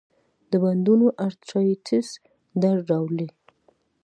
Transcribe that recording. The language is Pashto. د بندونو ارترایټس درد راولي.